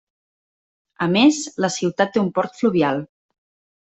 A més, la ciutat té un port fluvial.